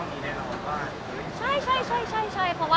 มันก็จะต้องมีใดหลากลงบ้านคือใช่เพราะว่า